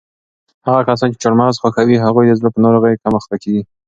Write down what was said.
هغه کسان چې چهارمغز خوښوي هغوی د زړه په ناروغیو کم اخته کیږي.